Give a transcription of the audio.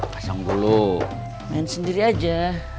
pasang dulu main sendiri aja